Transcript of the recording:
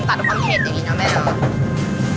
ตัดบุคคลเทศอีกนะแม่น้อง